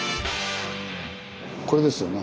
これですよね。